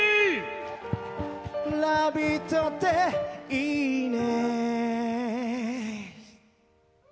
「ラヴィット！」って、いいね。